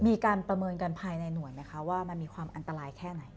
มีการประเมินกันภายในหน่วยไหมคะว่ามันมีความอันตรายแค่ไหน